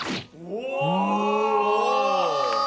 お！